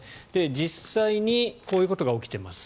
実際にこういうことが起きています。